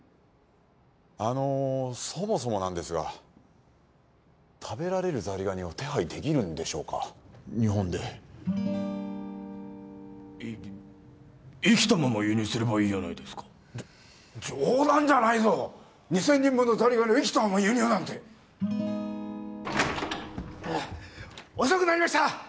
あのそもそもなんですが食べられるザリガニを手配できるんでしょうか日本でい生きたまま輸入すればいいやないですか冗談じゃないぞ２０００人分のザリガニを生きたまま輸入なんて遅くなりました！